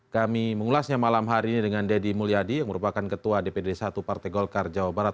kami mengulasnya malam hari ini dengan deddy mulyadi yang merupakan ketua dpd satu partai golkar jawa barat